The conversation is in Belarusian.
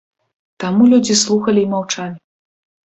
Таму людзі слухалі і маўчалі.